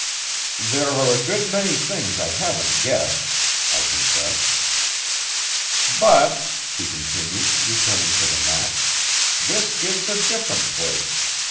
"There are a good many things I haven't guessed," I confessed. "But," she continued, returning to the map, "this gives a different place.